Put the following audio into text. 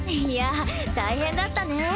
いや大変だったね。